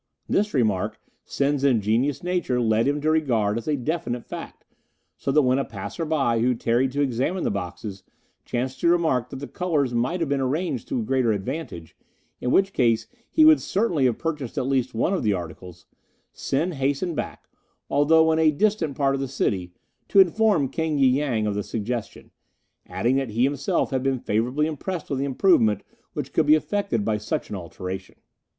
This remark Sen's ingenuous nature led him to regard as a definite fact, so that when a passer by, who tarried to examine the boxes chanced to remark that the colours might have been arranged to greater advantage, in which case he would certainly have purchased at least one of the articles, Sen hastened back, although in a distant part of the city, to inform King y Yang of the suggestion, adding that he himself had been favourably impressed with the improvement which could be effected by such an alteration.